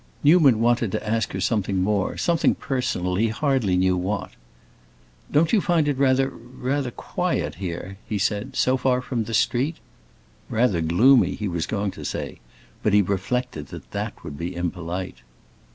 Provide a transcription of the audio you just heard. Newman wanted to ask her something more, something personal, he hardly knew what. "Don't you find it rather—rather quiet here?" he said; "so far from the street?" Rather "gloomy," he was going to say, but he reflected that that would be impolite.